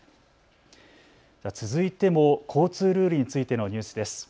続いても交通ルールについてのニュースです。